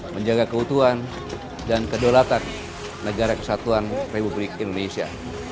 menjaga keutuhan dan kedaulatan negara kesatuan republik indonesia